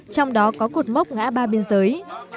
trong đó có cột mốc ngã ba biên giới